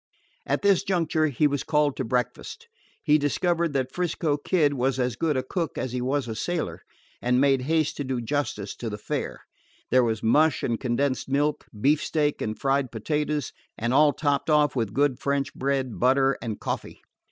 At this juncture he was called to breakfast. He discovered that 'Frisco Kid was as good a cook as he was a sailor, and made haste to do justice to the fare. There were mush and condensed milk, beefsteak and fried potatoes, and all topped off with good French bread, butter, and coffee.